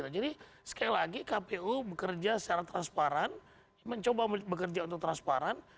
jadi sekali lagi kpu bekerja secara transparan mencoba bekerja untuk transparan